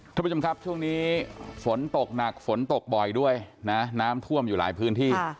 ท่านผู้ชมครับช่วงนี้ฝนตกหนักฝนตกบ่อยด้วยนะน้ำท่วมอยู่หลายพื้นที่